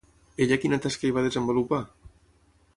Ella quina tasca hi va desenvolupar?